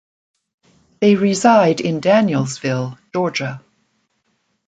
They reside in Danielsville, Georgia.